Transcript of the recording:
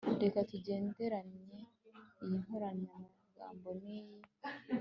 Reka tugereranye iyi nkoranyamagambo niyi